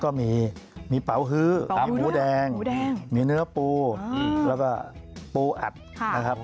ก็มีเป๋าฮื้อมีหมูแดงมีเนื้อปูแล้วก็ปูอัดนะครับ